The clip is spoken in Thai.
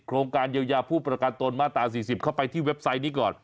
โครงการเยียวยาผู้ประกันตนมาตรา๔๐เข้าไปที่เว็บไซต์นี้ก่อน